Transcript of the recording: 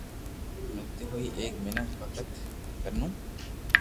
ملتي ھوئي ايڪ مينک ڀگت ڪنو